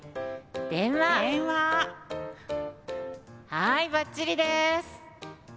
はいばっちりです。